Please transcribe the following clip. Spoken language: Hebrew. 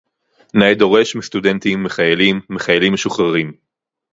נאה דורש מסטודנטים, מחיילים, מחיילים משוחררים